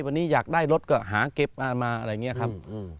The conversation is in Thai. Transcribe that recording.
วันนี้อยากได้รถก็หาเก็บงานมาอะไรอย่างนี้ครับ